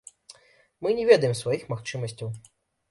Мы не ведаем сваіх магчымасцяў.